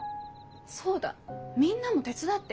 そうだみんなも手伝って！